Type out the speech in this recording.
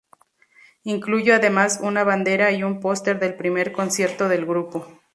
Incluye además una bandera y un póster del primer concierto del grupo.